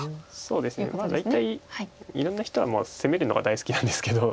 そうですね大体いろんな人はもう攻めるのが大好きなんですけど。